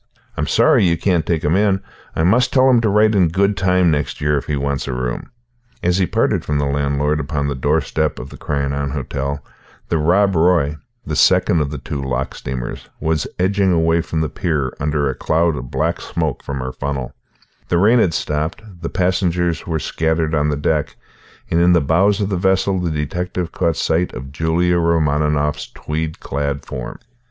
I'm sorry you can't take him in. I must tell him to write in good time next year if he wants a room." As he parted from the landlord upon the doorstep of the Crianan Hotel, the Rob Roy the second of the two loch steamers was edging away from the pier, under a cloud of black smoke from her funnel The rain had stopped; the passengers were scattered on the deck, and in the bows of the vessel the detective caught sight of Julia Romaninov's tweed clad form.